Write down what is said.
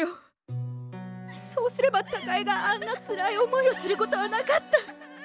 そうすれば貴恵があんなつらい思いをすることはなかった！